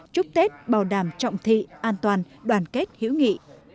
chúc tết bảo đảm trọng thị an toàn đoàn kết hữu nghị